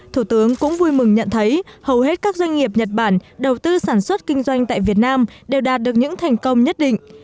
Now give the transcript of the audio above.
thủ tướng cũng vui mừng nhận thấy hầu hết các doanh nghiệp nhật bản đầu tư sản xuất kinh doanh tại việt nam đều đạt được những thành công nhất định